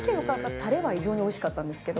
たれは異常においしかったんですけど。